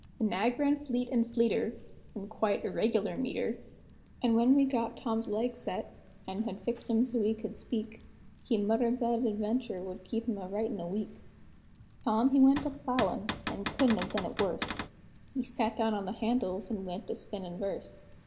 The nag ran fleet and fleeter, in quite irregular metre; An' when we got Tom's leg set, an' had fixed him so he could speak, He muttered that that adventur' would keep him a writin' a week. Tom he went a ploughin', and couldn't have done it worse; He sat down on the handles, an' went to spinnin' verse.